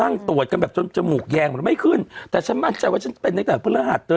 นั่งตรวจกันแบบจนจมูกแยงมันไม่ขึ้นแต่ฉันมั่นใจว่าฉันเป็นตั้งแต่พฤหัสเธอ